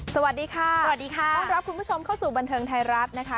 สวัสดีค่ะสวัสดีค่ะต้อนรับคุณผู้ชมเข้าสู่บันเทิงไทยรัฐนะคะ